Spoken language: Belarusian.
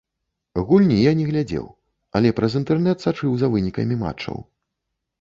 Гульні я не глядзеў, але праз інтэрнэт сачыў за вынікамі матчаў.